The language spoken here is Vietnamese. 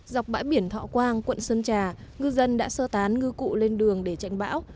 dọc bãi biển thọ quang quận sơn trà ngư dân đã sơ tán ngư cụ lên đường để tránh bão